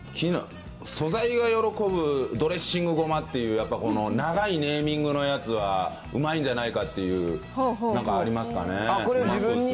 素材が喜ぶドレッシング胡麻っていう、やっぱ長いネーミングのやつはうまいんじゃないかっていう、なんかありますかね。